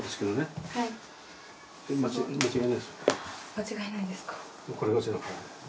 間違いないですか。